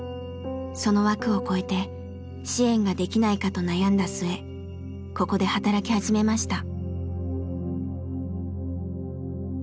その枠を超えて支援ができないかと悩んだ末ここで働き始めました。